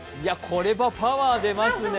これはパワー出ますね。